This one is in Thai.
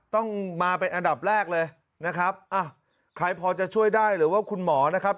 ต้องมาเป็นอันดับแรกเลยนะครับอ่ะใครพอจะช่วยได้หรือว่าคุณหมอนะครับ